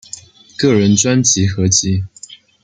个人专辑合辑